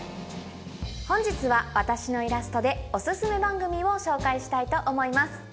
本日は私のイラストでお薦め番組を紹介したいと思います。